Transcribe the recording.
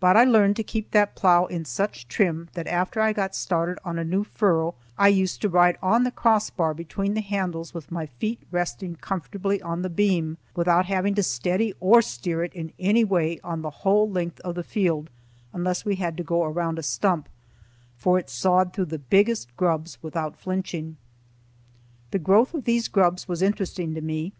But I learned to keep that plough in such trim that after I got started on a new furrow I used to ride on the crossbar between the handles with my feet resting comfortably on the beam, without having to steady or steer it in any way on the whole length of the field, unless we had to go round a stump, for it sawed through the biggest grubs without flinching. The growth of these grubs was interesting to me.